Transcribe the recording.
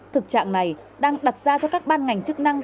thực trạng này đang đặt ra cho các ban ngành chức năng